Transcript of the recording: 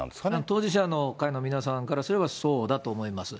当事者の会の皆さんからすればそうだと思います。